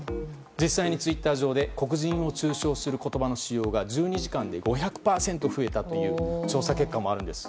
実際にツイッター上で黒人を中傷する言葉の使用が１２時間で５００％増えたという調査結果もあるんです。